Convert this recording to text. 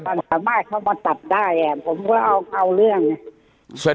ผมยังมีปัญหาบ้านเขามาตัดได้ผมก็เอาเอาเรื่องเนี่ย